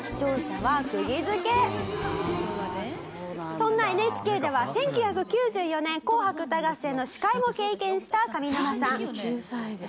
「そんなＮＨＫでは１９９４年『紅白歌合戦』の司会も経験した上沼さん」